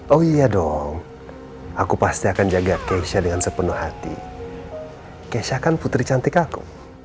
oh iya dong aku pasti akan jaga keisha dengan sepenuh hati keisha kan putri cantik aku